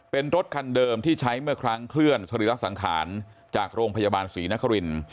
เป็นรถคันเดิมที่ใช้เมื่อครั้งเคลื่อนสรีระสังขารจากโรงพยาบาลศรีนคริน